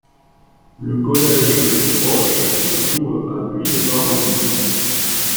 Le collège le plus proche se trouve à Buis-les-Baronnies.